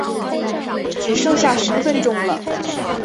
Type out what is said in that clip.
只剩下十分钟了